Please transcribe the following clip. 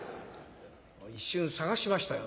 一瞬探しましたよ